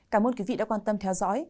cảm ơn quý vị đã quan tâm theo dõi